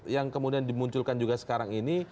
yang kemudian dimunculkan juga sekarang ini